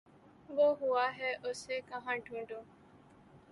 وہ ہوا ہے اسے کہاں ڈھونڈوں